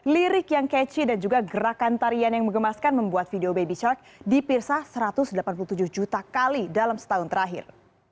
lirik yang ketchy dan juga gerakan tarian yang mengemaskan membuat video baby chark dipirsa satu ratus delapan puluh tujuh juta kali dalam setahun terakhir